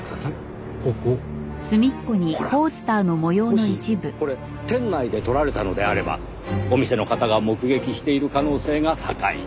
もしこれ店内で撮られたのであればお店の方が目撃している可能性が高い。